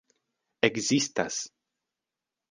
ekzistas